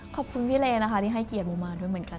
ขอบคุณพี่เลนะคะที่ให้เกียรติโมมาด้วยเหมือนกัน